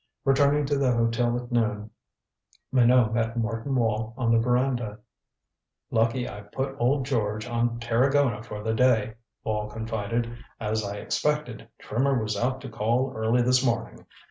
Returning to the hotel at noon, Minot met Martin Wall on the veranda. "Lucky I put old George on Tarragona for the day," Wall confided. "As I expected, Trimmer was out to call early this morning.